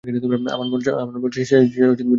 আমার মন বলছে সে জলদিই আসবে।